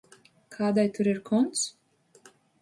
Kādai tur ir konts?